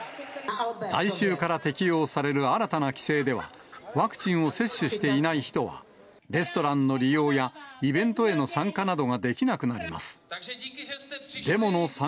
来週から適用される新たな規制では、ワクチンを接種していない人は、レストランの利用やイベントへの参加などができなくなります。